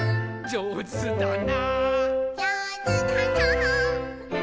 「じょうずだな」